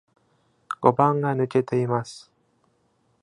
五番が抜けています。